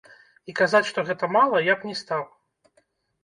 І казаць, што гэта мала, я б не стаў.